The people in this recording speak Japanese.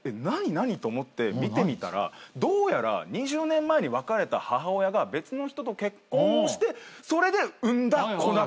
何？と思って見てみたらどうやら２０年前に別れた母親が別の人と結婚をしてそれで産んだ子だったんですよ。